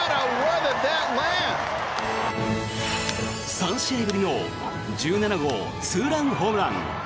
３試合ぶりの１７号ツーランホームラン。